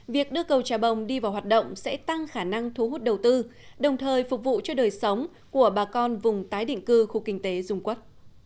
việc đưa cầu trà bồng đi vào hoạt động sẽ tăng khả năng thu hút đầu tư đồng thời phục vụ cho đời sống của bà con vùng tái định cư khu kinh tế dung quốc